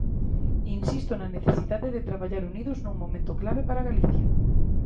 Insisto na necesidade de traballar unidos nun momento clave para Galicia.